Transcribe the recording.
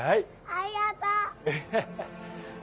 ありがとう。